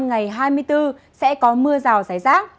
ngày hai mươi bốn sẽ có mưa rào rải rác